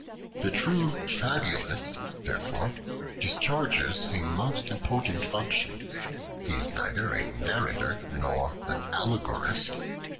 The true fabulist, therefore, discharges a most important function. He is neither a narrator, nor an allegorist.